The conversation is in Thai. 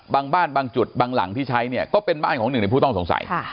บางบ้านบางจุดบางหลังที่ใช้เนี่ยก็เป็นบ้านของหนึ่งในผู้ต้องสงสัย